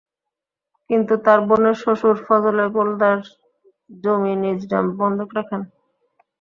কিন্তু তাঁর বোনের শ্বশুর ফজলে গোলদার জমি নিজ নামে বন্ধক রাখেন।